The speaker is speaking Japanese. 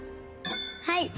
はい。